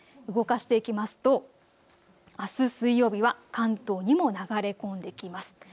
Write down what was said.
動かしていきますとあす水曜日は関東にも流れ込んできます。